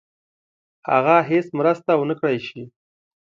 هغه هیڅ مرسته ونه کړای سي.